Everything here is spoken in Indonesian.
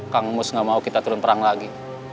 kang mus nggak mau kita turun perang lagi